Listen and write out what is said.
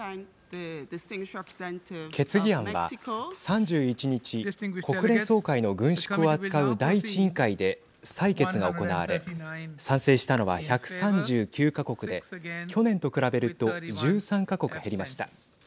決議案は３１日国連総会の軍縮を扱う第１委員会で採決が行われ賛成したのは１３９か国で去年と比べると１３か国減りました。